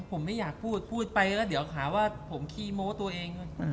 ผมไม่อยากพูดพูดไปแล้วเดี๋ยวหาว่าผมขี้โม้ตัวเอง